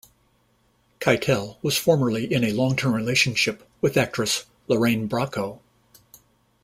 Keitel was formerly in a long-term relationship with actress Lorraine Bracco.